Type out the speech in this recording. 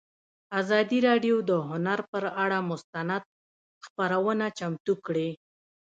ازادي راډیو د هنر پر اړه مستند خپرونه چمتو کړې.